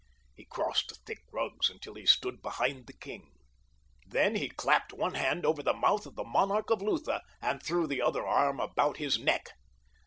He crossed the thick rugs until he stood behind the king. Then he clapped one hand over the mouth of the monarch of Lutha and threw the other arm about his neck.